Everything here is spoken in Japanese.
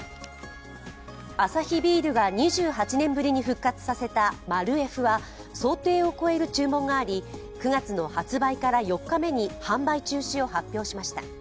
アサヒビールが２８年ぶりに復活させたマルエフは想定を超える注文があり９月の発売から４日目に販売中止を発表しました。